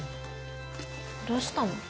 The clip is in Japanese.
どうしたの？